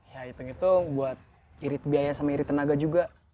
ya hitung hitung buat irit biaya sama irit tenaga juga